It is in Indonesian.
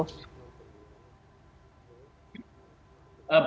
semuanya tampaknya insentifnya masuk ke pak prabowo